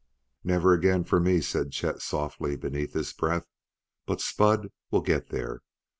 "Never again for me!" said Chet softly beneath his breath. "But Spud will get there.